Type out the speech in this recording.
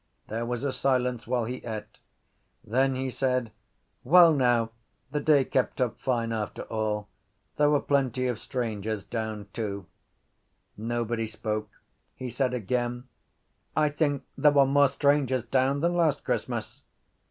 There was a silence while he ate. Then he said: —Well now, the day kept up fine after all. There were plenty of strangers down too. Nobody spoke. He said again: —I think there were more strangers down than last Christmas.